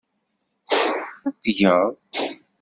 Ad t-tgeḍ.